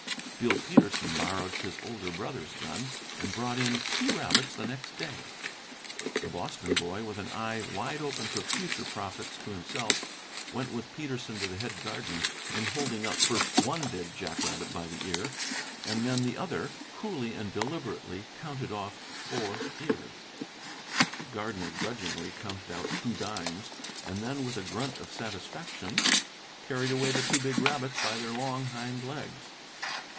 Bill Peterson borrowed his older brother's gun and brought in two rabbits the next day. The Boston boy, with an eye wide open to future profits to himself, went with Peterson to the head gardener, and holding up first one dead jack rabbit by the ear, and then the other, coolly and deliberately counted off four ears. The gardener grudgingly counted out two dimes, and then, with a grunt of satisfaction, carried away the two big rabbits by their long hind legs.